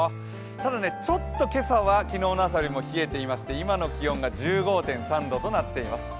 ただ、ちょっと今朝は昨日の朝よりも冷えていまして、今の気温が１５．３度となっています。